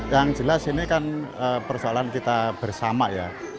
yang jelas ini kan persoalan kita berada di dalam kebutuhan